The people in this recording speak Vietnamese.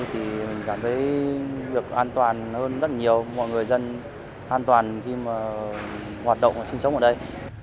thì mình cảm thấy được an toàn hơn rất nhiều mọi người dân an toàn khi mà hoạt động và sinh sống ở đây